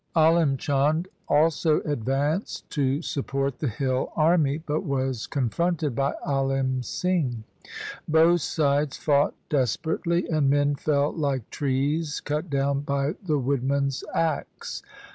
Alim Chand also advanced to support the hill army, but was con fronted by Alim Singh. Both sides fought despe rately; and men fell like trees cut down by the woodman's axe.